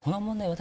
私